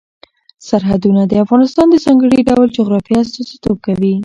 سرحدونه د افغانستان د ځانګړي ډول جغرافیه استازیتوب کوي.